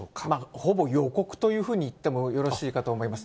ほぼ予告というふうに言ってもよろしいかと思います。